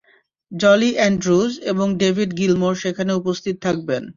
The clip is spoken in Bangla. জুলি অ্যান্ড্রুজ এবং ডেভিড গিলমোর সেখানে উপস্থিত থাকবেন।